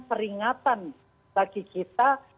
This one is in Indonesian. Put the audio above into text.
peringatan bagi kita